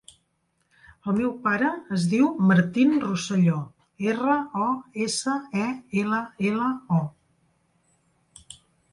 El meu pare es diu Martín Rosello: erra, o, essa, e, ela, ela, o.